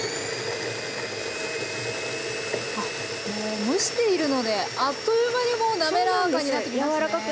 あっこれ蒸しているのであっという間にもうなめらかになってきますね。